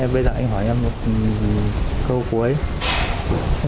bây giờ anh hỏi em một câu cuối